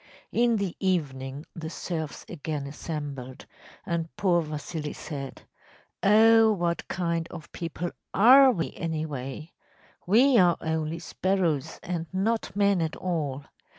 In the evening the serfs again assembled, and poor Vasili said: “Oh, what kind of people are we, anyway? We are only sparrows, and not men at all!